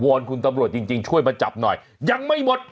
อนคุณตำรวจจริงจริงช่วยมาจับหน่อยยังไม่หมด